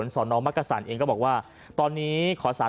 ก็ได้พลังเท่าไหร่ครับ